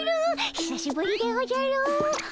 ひさしぶりでおじゃる！